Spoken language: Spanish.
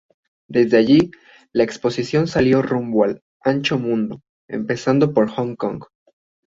Desde allí, la exposición salió rumbo al "ancho mundo", empezando por Hong Kong.